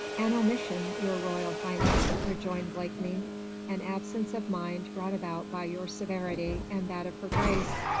"An omission, your Royal Highness," rejoined Blakeney, "an absence of mind brought about by your severity, and that of Her Grace.